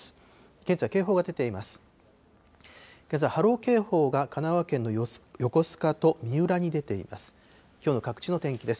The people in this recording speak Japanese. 現在、警報が出ています。